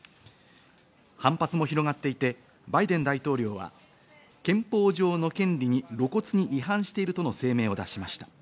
反発も広がっていて、バイデン大統領は憲法上の権利に露骨に違反しているとの声明を出しました。